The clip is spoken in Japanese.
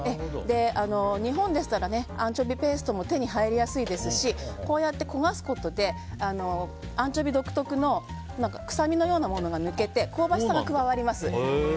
日本ですとアンチョビペーストも手に入りやすいですしこうやって焦がすことでアンチョビ独特の臭みのようなものが抜けて香ばしさが加わります。